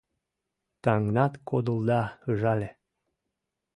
Таҥнат кодылда — ыжале.